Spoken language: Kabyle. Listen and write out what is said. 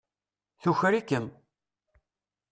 Tuker-ikem.